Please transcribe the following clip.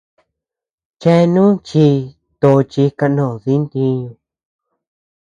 Cheanú chi tochi kanó dii ntiñu.